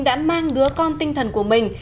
đã mang đứa con tinh thần của mình